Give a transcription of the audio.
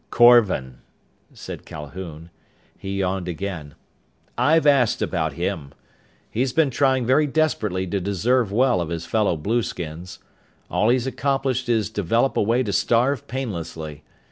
"Korvan," said Calhoun. He yawned again. "I've asked about him. He's been trying very desperately to deserve well of his fellow blueskins. All he's accomplished is develop a way to starve painlessly.